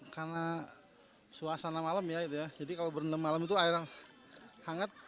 karena suasana malam ya jadi kalau berenam malam itu air hangat